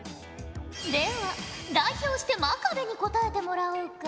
では代表して真壁に答えてもらおうか。